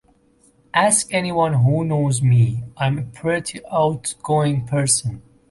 Ask anyone who knows me; I'm a pretty outgoing person.